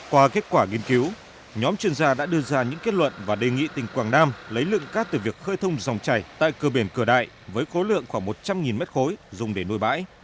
qua kết quả nghiên cứu nhóm chuyên gia đã đưa ra những kết luận và đề nghị tỉnh quảng nam lấy lượng cát từ việc khơi thông dòng chảy tại cơ biển cửa đại với khối lượng khoảng một trăm linh m ba dùng để nuôi bãi